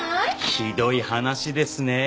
ひどい話ですね。